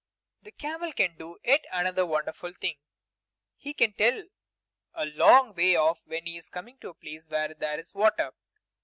The camel can do yet another wonderful thing. He can tell a long way off when he is coming to a place where there is water.